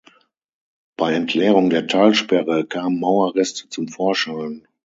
Bei Entleerung der Talsperre kamen Mauerreste zum Vorschein.